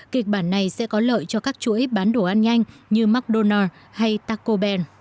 kịch bản này sẽ có lợi cho các chuỗi bán đồ ăn nhanh như mcdonald s hay taco bell